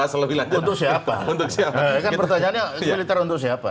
ini kan pertanyaannya militer untuk siapa